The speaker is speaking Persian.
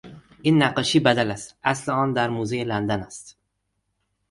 این نقاشی بدل است; اصل آن در موزهی لندن است.